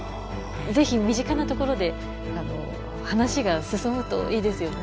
是非身近なところで話が進むといいですよね。